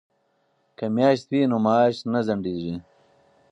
که میاشت وي نو معاش نه ځنډیږي.